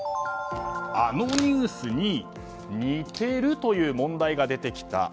あのニュースに似てる？という問題が出てきた。